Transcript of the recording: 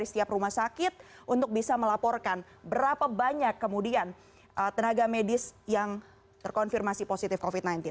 setiap rumah sakit untuk bisa melaporkan berapa banyak kemudian tenaga medis yang terkonfirmasi positif covid sembilan belas